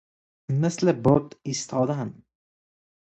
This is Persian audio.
مثل بت ایستادن